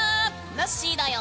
ぬっしーだよ！